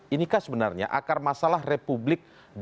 inikah sebenarnya akar masalah republik